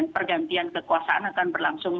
pergantian kekuasaan akan berlangsung